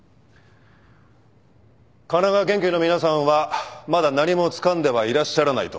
神奈川県警の皆さんはまだ何もつかんではいらっしゃらないと？